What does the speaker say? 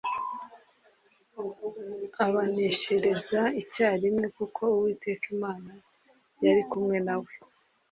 abaneshereza icyarimwe kuko uwiteka imana yari kumwe na we